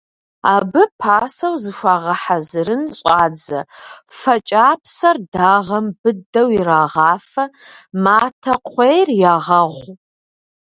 Абы пасэу зыхуагъэхьэзырын щӀадзэ: фэ кӀапсэр дагъэм быдэу ирагъафэ, матэ кхъуейр ягъэгъу.